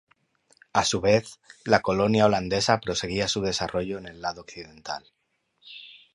A su vez, la colonia holandesa proseguía su desarrollo en el lado occidental.